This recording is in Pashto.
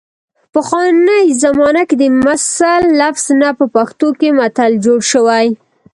پخوانۍ زمانه کې د مثل لفظ نه په پښتو کې متل جوړ شوی